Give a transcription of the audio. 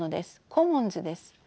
コモンズです。